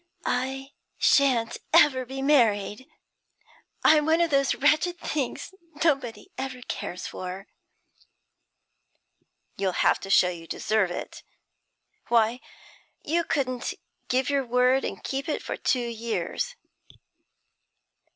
'I shan't ever be married. I'm one of those wretched things nobody ever cares for.' 'You'll have to show you deserve it. Why, you couldn't give your word and keep it for two years.'